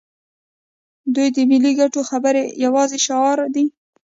دوی د ملي ګټو خبرې یوازې شعار دي.